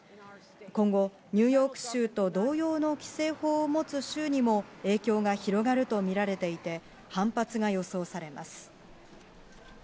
今後ニューヨーク州と同様の規制法を持つ州にも影響が広がるとみられていて、反発が予想されます。